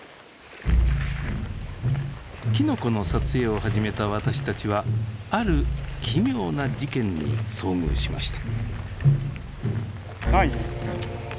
きのこの撮影を始めた私たちはある奇妙な事件に遭遇しました。